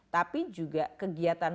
tapi juga kegiatan